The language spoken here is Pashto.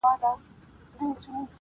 کلونه وروسته هم کيسه ژوندۍ وي,